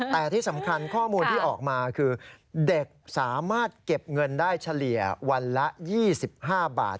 แต่ที่สำคัญข้อมูลที่ออกมาคือเด็กสามารถเก็บเงินได้เฉลี่ยวันละ๒๕บาท